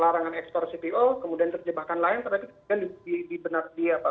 larangan ekspor cpo kemudian terjebakkan lain tapi tidak dibenar dia